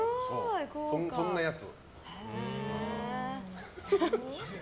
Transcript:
そんなやつ。